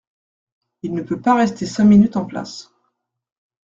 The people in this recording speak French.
Il ne peut pas rester cinq minutes en place…